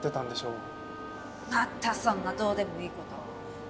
またそんなどうでもいい事を。